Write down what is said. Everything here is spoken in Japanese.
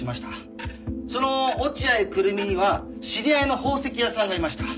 その落合久瑠実には知り合いの宝石屋さんがいました。